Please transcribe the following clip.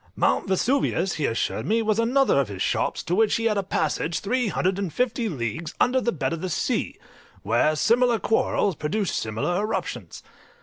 Mount Vesuvius, he assured me, was another of his shops, to which he had a passage three hundred and fifty leagues under the bed of the sea, where similar quarrels produced similar eruptions.